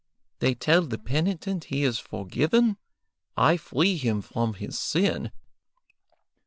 They tell the penitent he is forgiven. I free him from his sin.